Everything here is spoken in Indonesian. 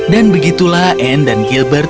dan begitulah anne dan gilbert